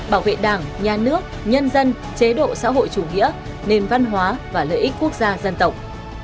bảo vệ đảng nhà nước nhân dân chế độ xã hội chủ nghĩa nền văn hóa và lợi ích quốc gia dân tộc